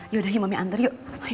yaudah ya mami antar yuk